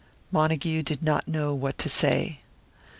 Montague did hot know what to say.